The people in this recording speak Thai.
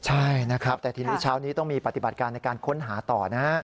ใช่นะครับแต่ทีนี้เช้านี้ต้องมีปฏิบัติการในการค้นหาต่อนะฮะ